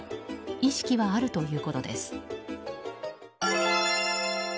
意識はあるということです。